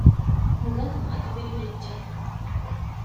ހުބަލު މަތިވެރިވެއްޖެ